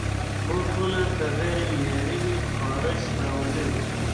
بوټونه که غیر معیاري وي، خارش راولي.